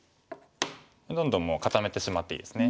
どんどんもう固めてしまっていいですね。